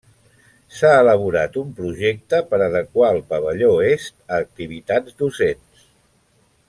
S'ha elaborat un projecte per adequar el pavelló est a activitats docents.